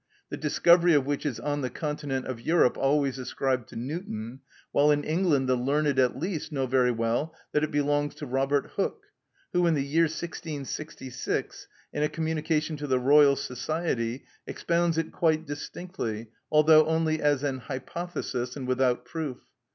the discovery of which is on the Continent of Europe always ascribed to Newton, while in England the learned at least know very well that it belongs to Robert Hooke, who in the year 1666, in a "Communication to the Royal Society," expounds it quite distinctly, although only as an hypothesis and without proof.